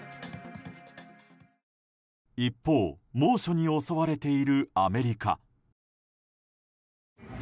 一方、猛暑に襲われているアメリカ。